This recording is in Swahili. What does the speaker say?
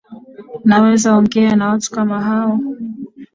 Nawezaongea na watu kama wao